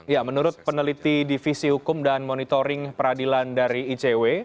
ya menurut peneliti divisi hukum dan monitoring peradilan dari icw